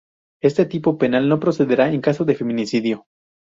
Este tipo penal no procederá en caso de feminicidio.